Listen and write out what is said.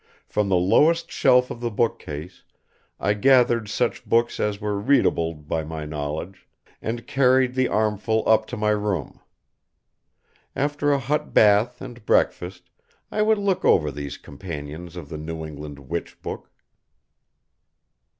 From the lowest shelf of the bookcase I gathered such books as were readable by my knowledge, and carried the armful up to my room. After a hot bath and breakfast I would look over these companions of the New England witch book.